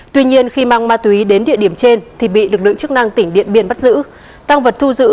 tuy nhiên khi mang ma túy đến địa điểm trên thì bị lực lượng chức năng tỉnh điện biên bắt giữ